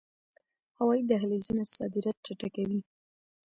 هوایی دهلیزونه صادرات چټکوي